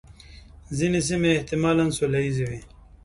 ځینې سیمې احتمالاً سوله ییزې وې.